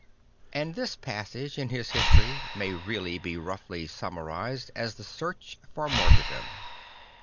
And this passage in his history may really be roughl y summarised as the Search for Iartyrdom.